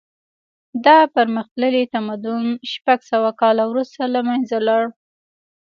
دا پرمختللی تمدن شپږ سوه کاله وروسته له منځه لاړ.